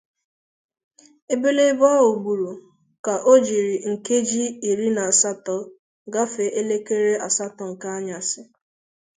ebelebe ahụ gbùrù ka o jiri nkeji iri na asatọ gafèé elekere asatọ nke anyasị